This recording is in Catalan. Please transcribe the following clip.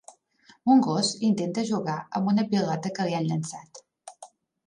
Un gos intenta jugar amb una pilota que li han llençat